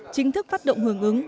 chính thức phát động hưởng ứng